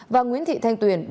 và nguyễn thị thanh tuyền